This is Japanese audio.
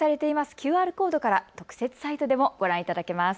ＱＲコードから特設サイトでもご覧いただけます。